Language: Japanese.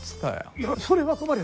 いやそれは困る！